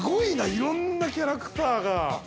いろんなキャラクターが。